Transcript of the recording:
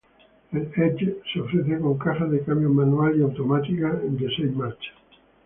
El Edge se ofrece con cajas de cambios manual y automática de seis marchas.